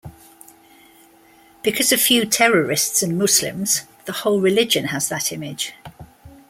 Because a few terrorists are Muslims, the whole religion has that image.